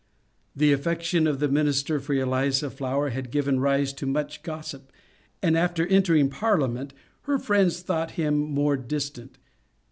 The affection of the minister for Eliza Flower had given rise to much gossip, and after entering Parliament her friends thought him more distant.